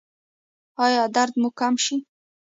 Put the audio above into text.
ایا درد مو کم شو؟